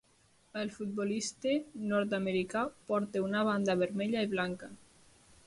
El futbolista nord-americà porta una banda vermella i blanca.